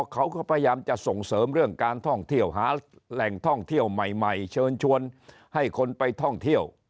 เขาก็พยายามจะส่งเสริมเรื่องการท่องเที่ยวหาแหล่งท่องเที่ยวใหม่เชิญชวนให้คนไปท่องเที่ยว